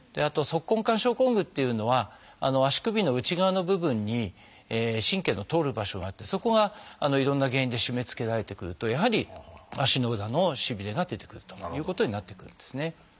あとは足根管症候群っていうのは足首の内側の部分に神経の通る場所があってそこがいろんな原因で締めつけられてくるとやはり足の裏のしびれが出てくるということになってくるんですね。